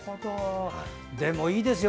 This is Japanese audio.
でもいいですよ。